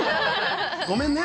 ごめんね。